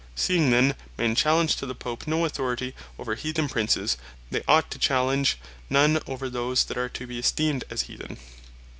Seeing then men challenge to the Pope no authority over Heathen Princes, they ought to challenge none over those that are to bee esteemed as Heathen.